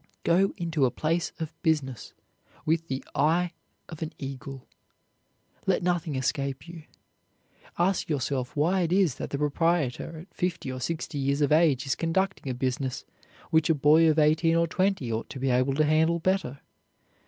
Go into a place of business with the eye of an eagle. Let nothing escape you. Ask yourself why it is that the proprietor at fifty or sixty years of age is conducting a business which a boy of eighteen or twenty ought to be able to handle better.